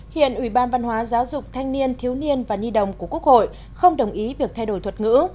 hiện ủy ban văn hóa giáo dục thanh niên thiếu niên và nhi đồng của quốc hội không đồng ý việc thay đổi thuật ngữ